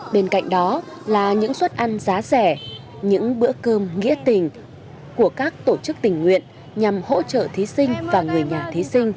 bên cạnh đó là những suất ăn giá rẻ những bữa cơm nghĩa tình của các tổ chức tình nguyện nhằm hỗ trợ thí sinh và người nhà thí sinh